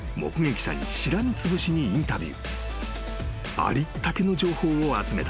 ［ありったけの情報を集めた］